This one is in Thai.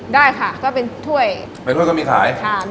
ได้ค่ะก็เป็นถ้วยในถ้วยก็มีขายค่ะ